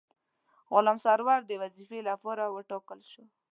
غلام سرور د وظیفې لپاره وټاکل شو.